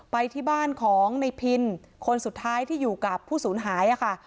ไปที่บ้านของในพินคนสุดท้ายที่อยู่กับผู้สูญหายค่ะ